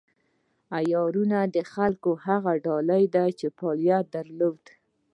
عیاران د خلکو هغه ډله ده چې فعالیت درلود.